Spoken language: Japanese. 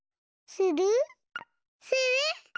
する？